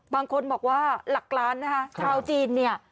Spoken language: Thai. บางคนบอกว่าหลักล้านนะคะชาวจีนเนี่ย